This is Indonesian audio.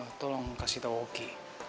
eee tolong kasih tau oki